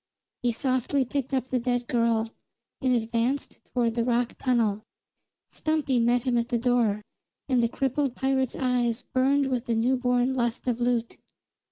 He softly picked up the dead girl, and advanced toward the rock tunnel. Stumpy met him at the door, and the crippled pirate's eyes burned with the newborn lust of loot.